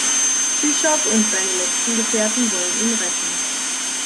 Bishop und seine letzten Gefährten wollen ihn retten.